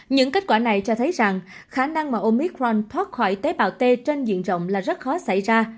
những kết quả này cho thấy rằng khả năng mà omicront thoát khỏi tế bào t trên diện rộng là rất khó xảy ra